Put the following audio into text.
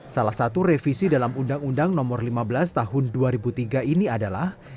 salah satu revisi dalam undang undang nomor lima belas tahun dua ribu tiga ini adalah